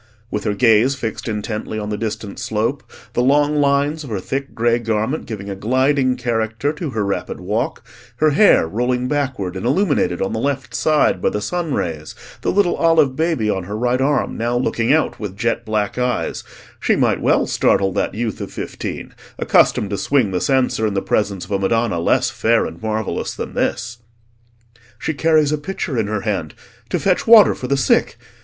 With her gaze fixed intently on the distant slope, the long lines of her thick grey garment giving a gliding character to her rapid walk, her hair rolling backward and illuminated on the left side by the sun rays, the little olive baby on her right arm now looking out with jet black eyes, she might well startle that youth of fifteen, accustomed to swing the censer in the presence of a Madonna less fair and marvellous than this. "She carries a pitcher in her hand—to fetch water for the sick.